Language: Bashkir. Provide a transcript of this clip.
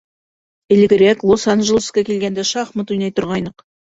Элегерәк Лос-Анджелесҡа килгәндә шахмат уйнай торғайныҡ.